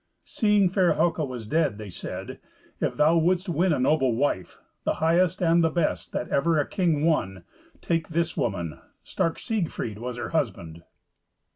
Seeing fair Helca was dead, they said, "If thou wouldst win a noble wife, the highest and the best that ever a king won, take this woman. Stark Siegfried was her husband."